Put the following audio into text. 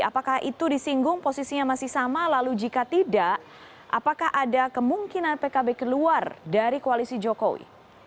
apakah itu disinggung posisinya masih sama lalu jika tidak apakah ada kemungkinan pkb keluar dari koalisi jokowi